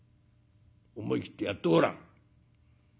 思い切ってやってごらん」。